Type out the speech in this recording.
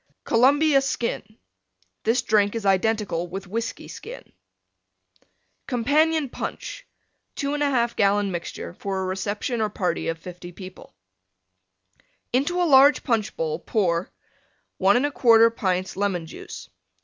COLUMBIA SKIN This drink is identical with Whiskey Skin. COMPANION PUNCH (2 1/2 gallon mixture for a reception or party of 50 people) Into a large Punch bowl pour: 1 1/4 pints Lemon Juice.